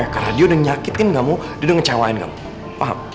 karena dia udah ngeyakitin kamu dia udah ngecewain kamu paham